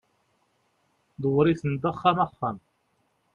ḍewwer-iten-d axxam axxam